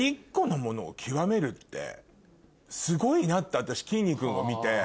なって私きんに君を見て。